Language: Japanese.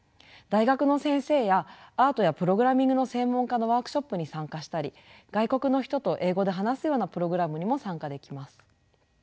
大学の先生やアートやプログラミングの専門家のワークショップに参加したり外国の人と英語で話すようなプログラムにも参加できます。